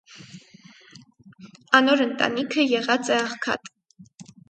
Անոր ընտանիքը եղած է աղքատ։